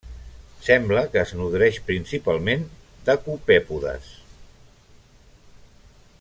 Sembla que es nodreix principalment de copèpodes.